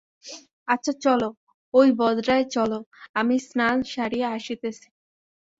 আচ্ছা চলো, ঐ বজরায় চলো, আমি স্নান সারিয়া আসিতেছি।